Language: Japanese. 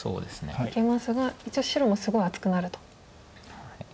いけますが一応白もすごい厚くなると。